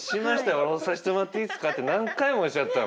俺「押させてもらっていいですか」って何回も押しちゃったよ